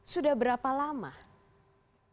sudah berapa lama